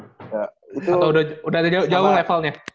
atau udah jauh levelnya